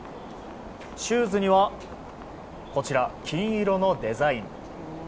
シューズには金色のデザイン。